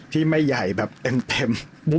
ที่ไม่ใหญ่แบบเต็ม